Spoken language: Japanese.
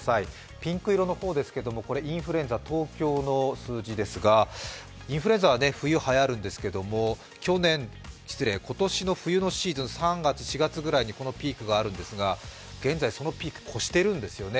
ピンク色の方ですけれども、インフルエンザ、東京の数字ですが、インフルエンザは冬、はやるんですけれども今年の冬のシーズン３月、４月ぐらいにピークがあるんですが現在そのピークを超しているんですね。